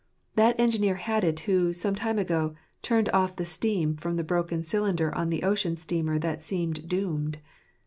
That engineer had it who, some time ago, turned off the steam from the broken cylinder on the ocean steamer that seemed doomed.